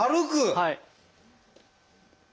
はい。